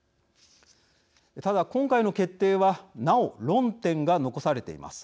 ただ、今回の決定はなお論点が残されています。